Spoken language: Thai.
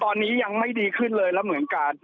ตอนนี้ยังไม่ดีขึ้นเลยแล้วเหมือนกัน